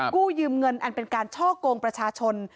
กู้ยืมเงินอันเป็นการช่อกงประชาชน